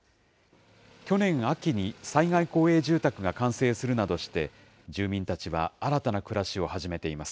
去年秋に災害公営住宅が完成するなどして、住民たちは新たな暮らしを始めています。